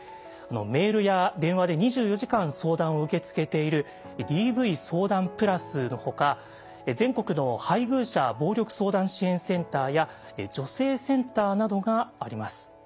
メールや電話で２４時間相談を受け付けているＤＶ相談プラスのほか全国の配偶者暴力相談支援センターや女性センターなどがあります。